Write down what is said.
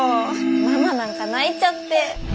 ママなんか泣いちゃって。